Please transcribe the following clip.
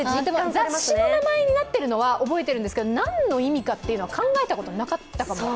雑誌の名前になっているのは覚えているんですけど、何の意味かは考えたことがなかったかも。